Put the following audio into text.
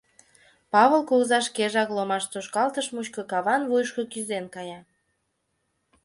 Павыл кугыза шкежак ломаш тошкалтыш мучко каван вуйышко кӱзен кая.